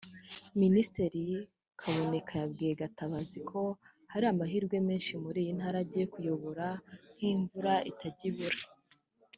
Minisitiri Kaboneka yabwiye Gatabazi ko hari amahirwe menshi muri iyi ntara agiye kuyobora; nk’imvura itajya ibura